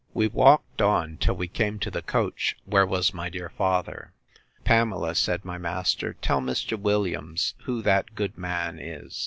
We walked on till we came to the coach, where was my dear father. Pamela, said my master, tell Mr. Williams who that good man is.